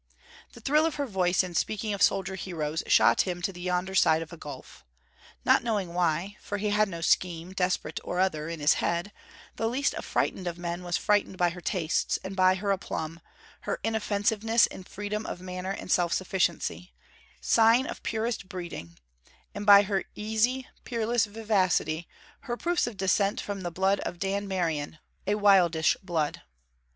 The thrill of her voice in speaking of soldier heroes shot him to the yonder side of a gulf. Not knowing why, for he had no scheme, desperate or other, in his head, the least affrighted of men was frightened by her tastes, and by her aplomb, her inoffensiveness in freedom of manner and self sufficiency sign of purest breeding: and by her easy, peerless vivacity, her proofs of descent from the blood of Dan Merion a wildish blood.